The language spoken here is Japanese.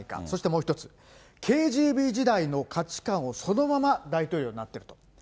そしてもう一つ、ＫＧＢ時代の価値観をそのまま大統領になってる。